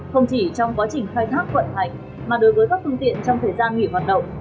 không chỉ trong quá trình khai thác vận hành mà đối với các phương tiện trong thời gian nghỉ hoạt động